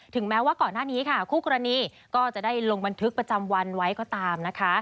แม้ว่าก่อนหน้านี้ค่ะคู่กรณีก็จะได้ลงบันทึกประจำวันไว้ก็ตามนะคะ